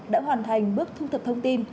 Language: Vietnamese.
đã hoàn thành bước thu thập thông tin